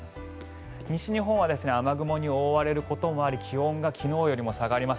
西日本は雨雲に覆われることもあり気温が昨日より下がります。